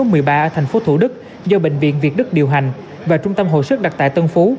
ở thành phố thủ đức do bệnh viện việt đức điều hành và trung tâm hồi sức đặc tại tân phú